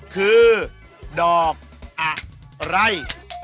คือดอกอะไร